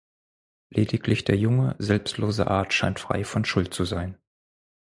Lediglich der junge, selbstlose Art scheint frei von Schuld zu sein.